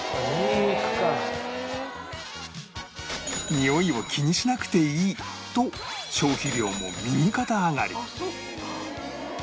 においを気にしなくていいと消費量も右肩上がり